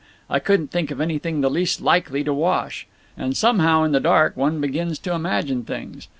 I couldn't think of anything the least likely to wash. And somehow, in the dark, one begins to imagine things.